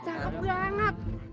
cakep gaang rap